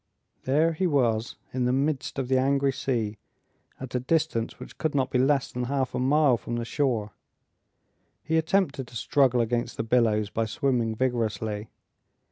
There he was, in the midst of the angry sea, at a distance which could not be less than half a mile from the shore. He attempted to struggle against the billows by swimming vigorously.